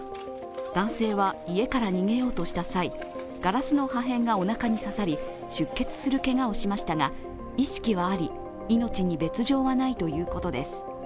男性は家から逃げようとした際ガラスの破片がおなかに刺さり、出血するけがをしましたが意識はあり、命に別状はないとのことです。